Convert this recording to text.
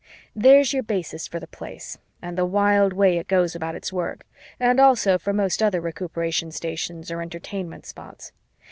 There's your basis for the Place and the wild way it goes about its work, and also for most other Recuperation Stations or Entertainment Spots.